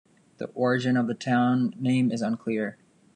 The origin of the town name is unclear.